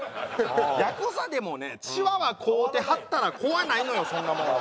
ヤクザでもねチワワ飼うてはったら怖ないのよそんなもんは。